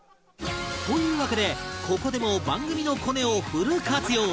というわけでここでも番組のコネをフル活用